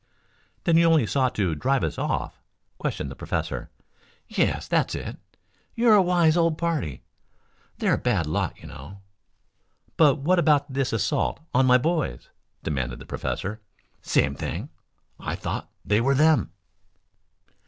"Then you only sought to drive us off?" questioned the professor. "Yes, that's it. You're a wise old party. They're a bad lot, you know." "But what about this assault on my boys?" demanded the professor. "Same thing. I thought they were them."